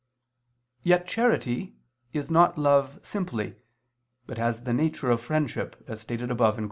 Yet charity is not love simply, but has the nature of friendship, as stated above (Q.